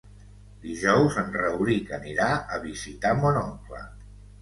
Dijous en Rauric anirà a visitar mon oncle.